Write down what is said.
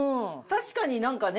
確かになんかね。